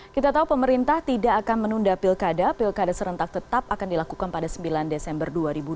kita tahu pemerintah tidak akan menunda pilkada pilkada serentak tetap akan dilakukan pada sembilan desember dua ribu dua puluh